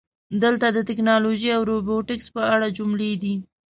دلته د "ټکنالوژي او روبوټیکس" په اړه جملې دي: